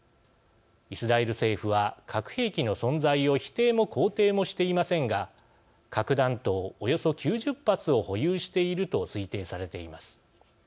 イスラエル政府は核兵器の存在を否定も肯定もしていませんが核弾頭およそ９０発を保有していると推定されています。